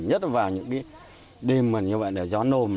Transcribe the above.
nhất là vào những cái đêm mà như vậy là gió nồm